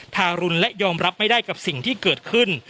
ทารุณและยอมรับไม่ได้กับสิ่งที่เกิดขึ้น